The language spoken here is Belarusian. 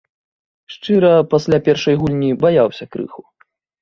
Шчыра, пасля першай гульні баяўся крыху.